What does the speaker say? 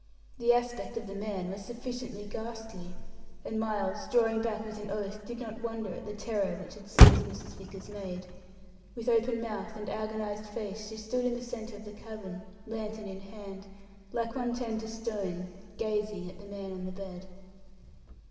The aspect of the man was sufficiently ghastly, and Miles, drawing back with an oath, did not wonder at the terror which had seized Mrs. Vickers's maid. With open mouth and agonized face, she stood in the centre of the cabin, lantern in hand, like one turned to stone, gazing at the man on the bed.